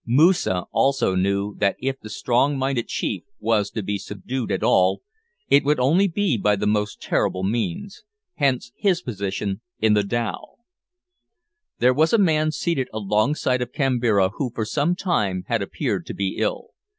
Moosa also knew that if the strong minded chief was to be subdued at all, it would only be by the most terrible means. Hence his position in the dhow. There was a man seated alongside of Kambira who for some time had appeared to be ill.